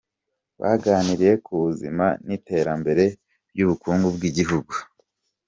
Baganiriye ku buzima n’iterambere ry’ubukungu bw’igihugu.